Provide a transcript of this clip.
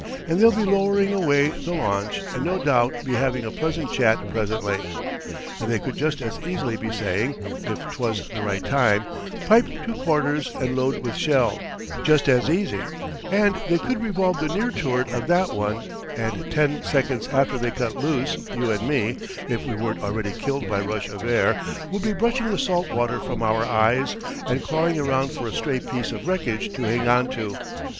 And they'll be lowering away the launch and no doubt be having a pleasant chat presently. And they could just as easily be saying (if 'twas the right time), 'Pipe to quarters and load with shell' just as easy; and they could revolve the near turret of that one, and ten seconds after they cut loose you and me, if we weren't already killed by rush of air, would be brushing the salt water from our eyes and clawing around for a stray piece of wreckage to hang on to.